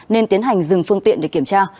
nên tiến hành dừng phương tiện để kiểm tra